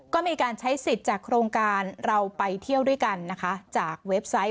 ก็มีการใช้สิทธิ์จากโครงการเราไปเที่ยวด้วยกันนะคะจากเว็บไซต์